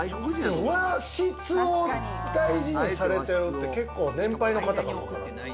和室を大事にされてるって、結構年配の方かも。